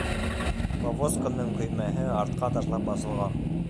Повозканың көймәһе артҡа ташлап асылған.